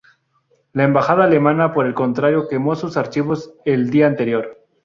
La embajada alemana, por el contrario, quemó sus archivos el día anterior.